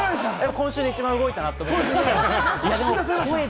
今週で一番動いたなと思いました。